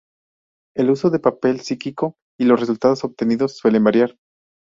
El uso del papel psíquico y los resultados obtenidos suelen variar.